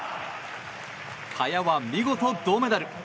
萱は見事銅メダル。